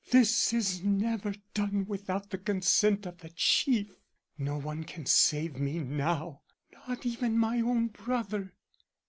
This is never done without the consent of the Chief. No one can save me now, not even my own brother."